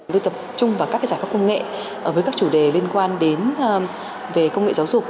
tôi tập trung vào các giải pháp công nghệ với các chủ đề liên quan đến về công nghệ giáo dục